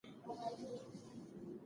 ناامیدي د هر نوي کار لپاره یو لوی خطر دی.